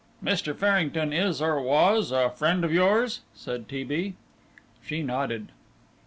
"Mr. Farrington is, or was, a friend of yours?" said T. B. She nodded.